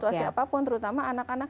dalam situasi apapun terutama anak anak